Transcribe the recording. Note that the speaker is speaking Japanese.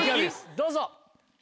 どうぞ。